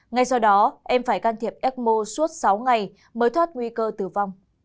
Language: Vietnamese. ngay sau đó em phải can thiệp ecmo suốt sáu ngày mới thoát nguy cơ tử vong